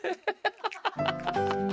ハハハハ！